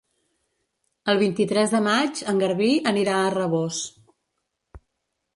El vint-i-tres de maig en Garbí anirà a Rabós.